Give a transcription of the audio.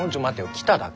「来ただけ」